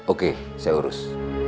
oke saya urus